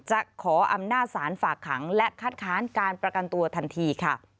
จะขออำนาจศาลฝากขังและคัดค้านการประกันตัวทันทีค่ะ